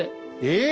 え！